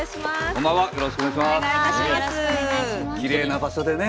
きれいな場所でね。